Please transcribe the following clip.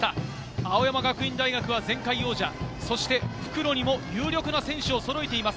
青山学院大学は前回王者、そして復路にも有力な選手をそろえています。